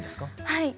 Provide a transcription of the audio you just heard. はい。